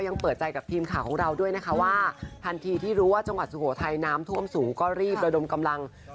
ส่งให้ถึงปันดายบ้านเลยนะคะบ้านไหนมีเด็กและคนแก่